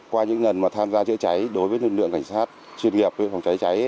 qua những lần mà tham gia trịa trái đối với lực lượng cảnh sát chuyên nghiệp về phòng trái trái